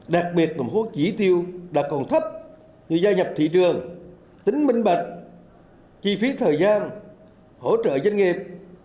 đặc biệt một số chỉ tiêu đã còn thấp như gia nhập thị trường tính minh bạch chi phí thời gian hỗ trợ doanh nghiệp